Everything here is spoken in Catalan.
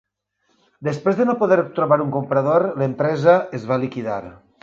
Després de no poder trobar un comprador, l'empresa es va liquidar.